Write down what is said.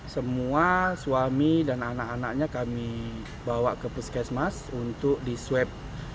semua suami dan anak anaknya kami bawa ke puskesmas untuk disweb